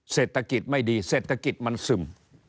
เศรษฐกิจไม่ดีเศรษฐกิจมันซึม